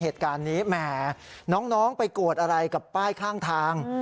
เหตุการณ์นี้แหมน้องไปกวดอะไรกับป้ายข้างทาง